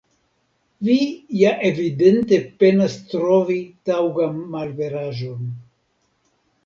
Vi ja evidente penas trovi taŭgan malveraĵon.